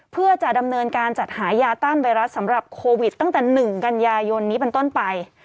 เพื่อจะดำเนินการจัดหายาต้านไวรัสสำหรับโควิดตั้งแต่๑กันยายนนี้เป็นต้นไป